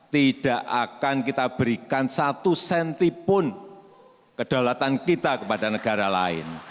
tidak akan kita berikan satu sentipun kedaulatan kita kepada negara lain